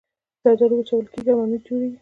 زردالو وچول کیږي او ممیز جوړوي